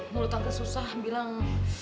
mulut tante susah bilang